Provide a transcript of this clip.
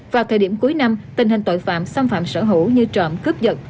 vào thời điểm cuối năm tình hình tội phạm xâm phạm sở hữu như trộm cướp dật